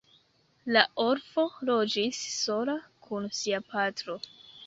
La orfo loĝis sola kun sia patro.